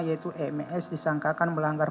yaitu ems disangkakan melanggar